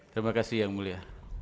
terima kasih yang mulia